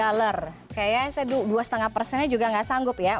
dollar kayaknya saya dua lima persennya juga nggak sanggup ya